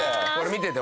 見てて。